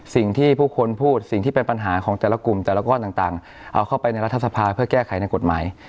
สิ่งที่ผู้คนพูดสิ่งที่เป็นปัญหาของแต่ละกลุ่มแต่ละก้อนต่างเอาเข้าไปในรัฐสภาเพื่อแก้ไขในกฎหมาย